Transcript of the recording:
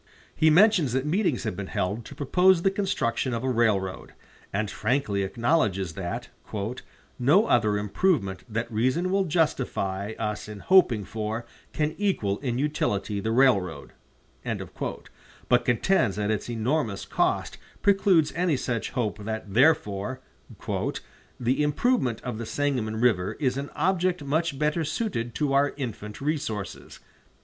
He mentions that meetings have been held to propose the construction of a railroad, and frankly acknowledges that "no other improvement that reason will justify us in hoping for can equal in utility the railroad," but contends that its enormous cost precludes any such hope, and that, therefore, "the improvement of the Sangamon River is an object much better suited to our infant resources."